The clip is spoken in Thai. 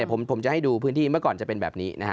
ผมจะให้ดูพื้นที่เมื่อก่อนจะเป็นแบบนี้นะฮะ